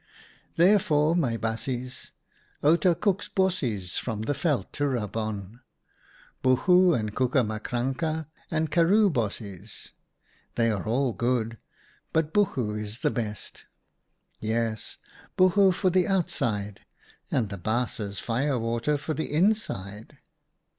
Therefore, my baasjes, Outa cooks bossies from the veld to rub on — buchu and kookamakranka and karroo bossies. They are all good, but buchu is the best. Yes, buchu for the outside, and the Baas's fire water for the inside